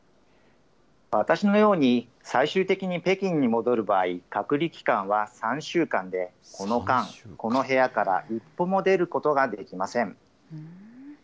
私のように最終的に北京に戻る場合、隔離期間は３週間で、その間、この部屋から一歩も出ることができません。